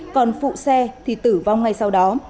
còn phụ xe thì tử vong ngay sau đó